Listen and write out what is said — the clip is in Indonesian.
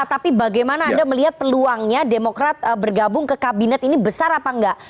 tapi bagaimana anda melihat peluangnya demokrat bergabung ke kabinet ini besar apa enggak